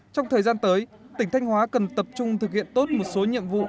trong thời gian tới tỉnh thanh hóa cần tập trung thực hiện tốt một số nhiệm vụ